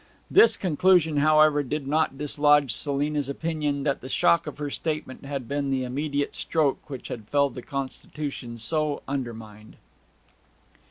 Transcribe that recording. This conclusion, however, did not dislodge Selina's opinion that the shock of her statement had been the immediate stroke which had felled a constitution so undermined.